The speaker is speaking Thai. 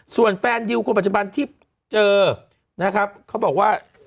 ส่วนแฟนดิวคนปัจจุบันที่เจอนะครับเขาบอกว่า